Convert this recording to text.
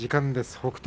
北勝